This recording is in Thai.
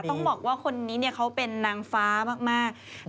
ต้องบอกว่าคนนี้เขาเป็นนางฟ้ามาก